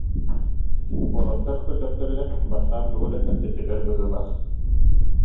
Уолаттар көрдөхтөрүнэ, бастаан тугу эрэ кэпсэттилэр быһыылаах